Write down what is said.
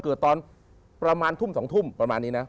เกิดตอนประมาณทุ่มประมาณนี้